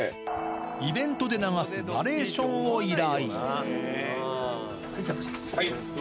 イベントで流すナレーションを依頼。